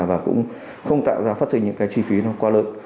và cũng không tạo ra phát sinh những cái chi phí nó qua lợi